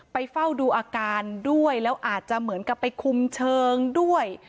เฝ้าดูอาการด้วยแล้วอาจจะเหมือนกับไปคุมเชิงด้วย